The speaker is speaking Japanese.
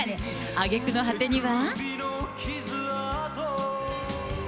あげくの果てには。